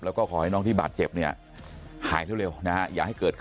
แล้วก็ขอให้น้องที่บาดเจ็บเนี่ยหายเร็วนะฮะ